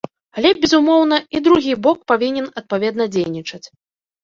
Але, безумоўна, і другі бок павінен адпаведна дзейнічаць.